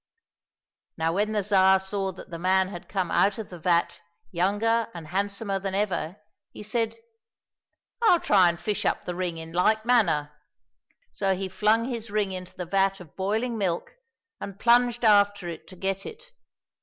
Now when the Tsar saw that the man had come out of the vat younger and handsomer than ever, he said, " I'll try and fish up the ring in like manner." So he flung his ring into the vat of boiling milk and plunged after it to get it.